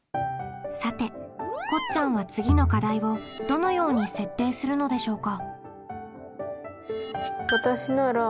さてこっちゃんは次の課題をどのように設定するのでしょうか？